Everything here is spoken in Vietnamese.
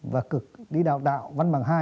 và cực đi đào tạo văn bằng hai